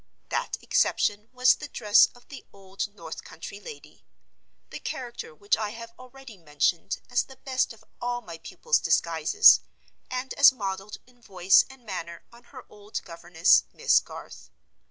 That exception was the dress of the old north country lady; the character which I have already mentioned as the best of all my pupil's disguises, and as modeled in voice and manner on her old governess, Miss Garth.